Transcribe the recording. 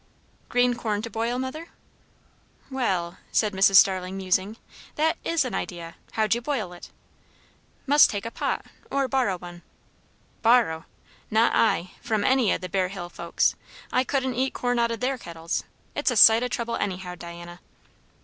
"Green corn to boil, mother?" "Well!" said Mrs. Starling, musing, "that is an idea. How'd you boil it?" "Must take a pot or borrow one." "Borrow! Not I, from any o' the Bear Hill folks. I couldn't eat corn out o' their kettles. It's a sight o' trouble anyhow, Diana."